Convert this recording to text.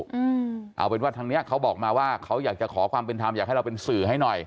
อืมเอาเป็นว่าทางเนี้ยเขาบอกมาว่าเขาอยากจะขอความเป็นธรรมอยากให้เราเป็นสื่อให้หน่อย